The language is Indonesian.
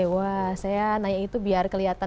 wah saya nanya itu biar kelihatan